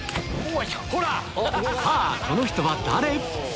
さぁこの人は誰？